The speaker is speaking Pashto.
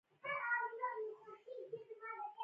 نوې تجربې پکې تر لاسه کړي په پښتو ژبه.